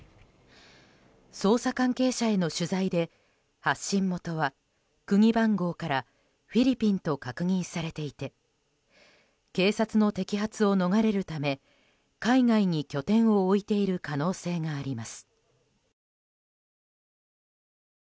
捜査関係者への取材で発信元は、国番号からフィリピンと確認されていて警察の摘発を逃れるため海外に拠点を置いている可能性があります。